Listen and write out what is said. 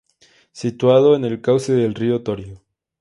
Situado en el cauce del Río Torío.